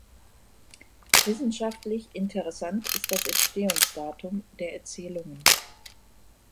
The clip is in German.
Wissenschaftlich interessant ist das Entstehungsdatum der Erzählungen.